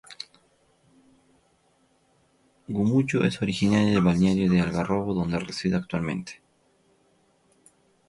Gumucio es originaria del balneario de Algarrobo, donde reside actualmente.